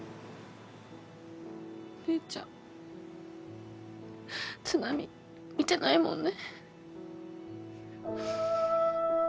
お姉ちゃん津波見てないもんね。